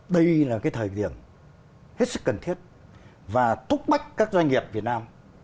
đây là cái thời điểm hết sức cần thiết và thúc bách các doanh nghiệp việt nam